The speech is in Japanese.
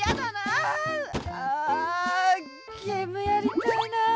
あゲームやりたいな。